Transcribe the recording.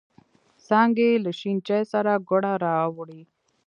څانگې له شین چای سره گوړه راوړې.